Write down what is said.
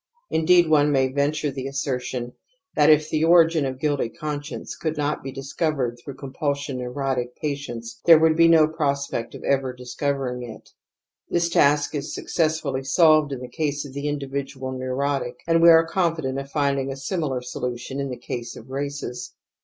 Indeed, one may venture the assertion that if the origin of guilty conscience could not be dis covered through compulsion neurotic patients, there would be no prospect of ever discovering it. This task is successfully solved in the case of the individual neurotic, and we are confident of finding a similar solution in the case of races.